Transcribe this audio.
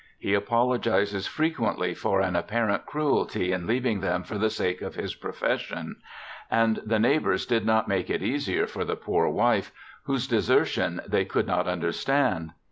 He apologizes frequently for an apparent cruelty in leaving them for the sake of his profession ; and the neighbours did not make it easier for the poor wife, whose desertion they could not understand.